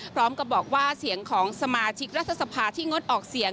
พร้อมกับบอกว่าเสียงของสมาชิกรัฐสภาที่งดออกเสียง